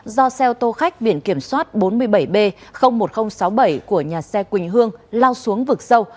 do xe ô tô khách biển kiểm soát bốn mươi bảy b một nghìn sáu mươi bảy của nhà xe quỳnh hương lao xuống vực sâu